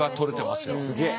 すげえ。